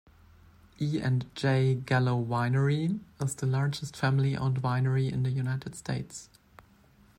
E and J Gallo Winery is the largest family-owned winery in the United States.